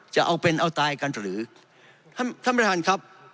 จะเอาเป็นเอาตายกันหรือท่านท่านประธานครับ